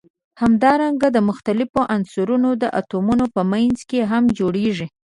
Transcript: همدارنګه د مختلفو عنصرونو د اتومونو په منځ کې هم جوړیږي.